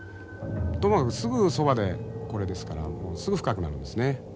ともかくすぐそばでこれですからすぐ深くなるんですね。